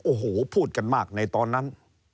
โอ้โหพูดกันมากในตอนนั้น